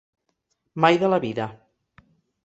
Mai de la vida.